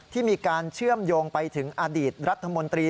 ที่มีการเชื่อมโยงไปถึงอดีตรัฐมนตรี